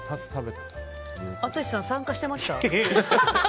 淳さん、参加してました？